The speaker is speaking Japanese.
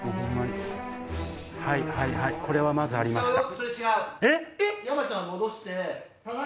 はいはいこれはまずありました。